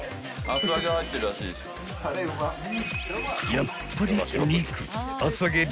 ［やっぱりお肉］